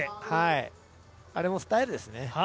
あれもスタイルですね。